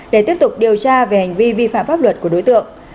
để tiếp tục điều tra về hành vi vi phạm pháp luật của đối tượng